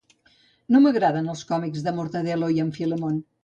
No m'agraden els còmics de Mortadelo i en Filemón